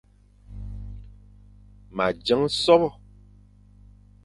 Ma dzeng sôbô.